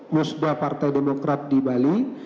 musda partai demokrat di bali